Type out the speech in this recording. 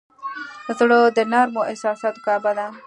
زړه د نرمو احساساتو کعبه ده.